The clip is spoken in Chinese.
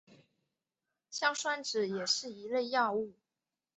硝酸酯也是一类药物。